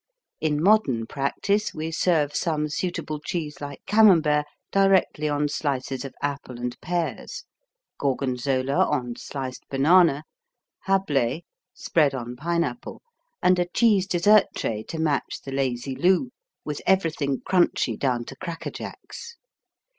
In modern practice we serve some suitable cheese like Camembert directly on slices of apple and pears, Gorgonzola on sliced banana, Hablé spread on pineapple and a cheese dessert tray to match the Lazy Lou, with everything crunchy down to Crackerjacks.